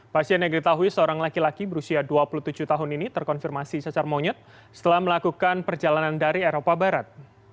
pasien yang diketahui seorang laki laki berusia dua puluh tujuh tahun ini terkonfirmasi cacar monyet setelah melakukan perjalanan dari eropa barat